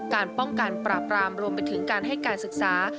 การป้องกันปราบรามรวมไปถึงการให้การศึกษา